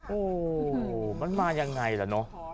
โอ้โหมันมายังไงล่ะเนอะ